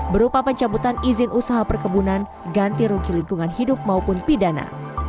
berupa pencabutan izin usaha perkebunan ganti rugi lingkungan hidup maupun pidana